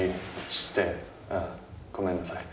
ごめんなさい。